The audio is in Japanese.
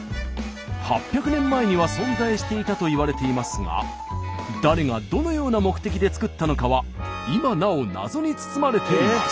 ８００年前には存在していたといわれていますが誰がどのような目的で作ったのかは今なお謎に包まれています。